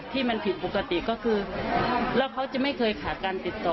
ที่มันผิดปกติก็คือแล้วเขาจะไม่เคยขาดการติดต่อ